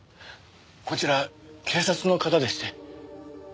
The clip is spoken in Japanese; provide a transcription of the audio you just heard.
こちら警察の方でして。